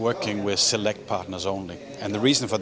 bekerja hanya dengan pasangan yang diperoleh